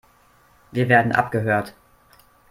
Wir werden abgehört.